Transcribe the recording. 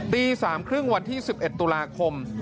ตีสามครึ่งวันที่๑๑ตุลาคม